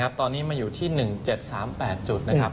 ตอนนี้มาอยู่ที่๑๗๓๘จุดนะครับ